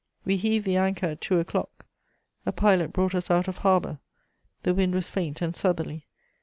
"We heaved the anchor at two o'clock. A pilot brought us out of harbour. The wind was faint and southerly.